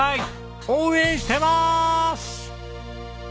応援してまーす！